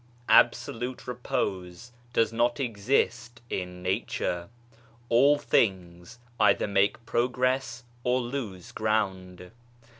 Absolute repose does not exist in Nature. All things either make progress or lose ground.